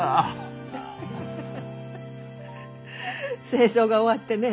戦争が終わってね